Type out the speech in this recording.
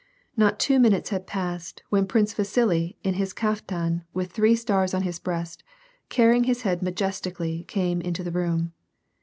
Not two minutes had passed, when Prince Vasili in his kaf tan, with three stars on liis breast, carrying his head majesti cally, came into the room.